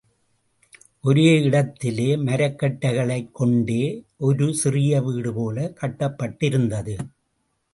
ஓர் இடத்திலே மரக்கட்டைகளைக்கொண்டே ஒரு சிறிய வீடு போலக் கட்டப்பட்டிருந்தது.